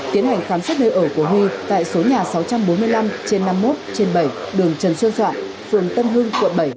tiến hành khám xét nơi ở của huy tại số nhà sáu trăm bốn mươi năm trên năm mươi một trên bảy đường trần xuân soạn phường tân hưng quận bảy